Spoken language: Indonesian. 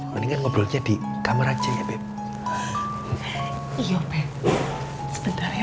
mendingan ngobrolnya di kamar aja ya beb iyo beb sebentar ya